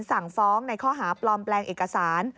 สั่งฟ้องในข้อหาปลอมแปลงเอกสาร